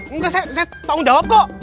mungkin saya tanggung jawab kok